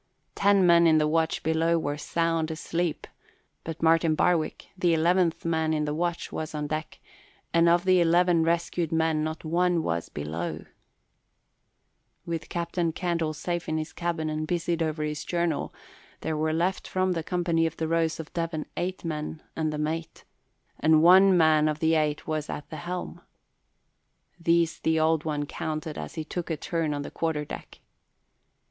Ten men in the watch below were sound asleep but Martin Barwick, the eleventh man in the watch, was on deck, and of the eleven rescued men not one was below. With Captain Candle safe in his cabin and busied over his journal, there were left from the company of the Rose of Devon eight men and the mate, and one man of the eight was at the helm. These the Old One counted as he took a turn on the quarter deck.